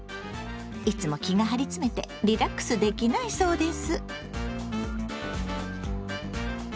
いつも気が張り詰めてリラックスできないそうです。